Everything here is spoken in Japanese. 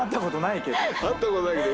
会ったことないけど。